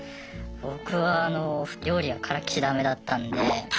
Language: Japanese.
僕はあの料理はからっきしダメだったんで。